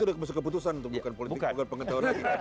itu sudah masuk keputusan itu bukan politik bukan pengetahuan